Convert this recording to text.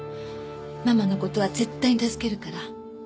ママの事は絶対に助けるから。